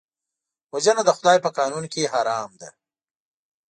وژنه د خدای په قانون کې حرام ده